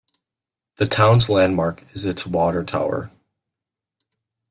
The town's landmark is its water tower.